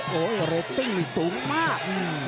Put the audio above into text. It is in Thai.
โหเหลดติ้งสูงมาก